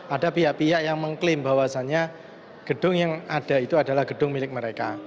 ada pihak pihak yang mengklaim bahwasannya gedung yang ada itu adalah gedung milik mereka